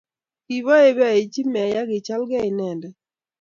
kiboiboichi Meya kichalgei inendet.